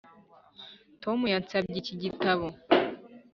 tom yansabye iki gitabo.